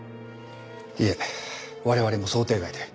いいえ我々も想定外で。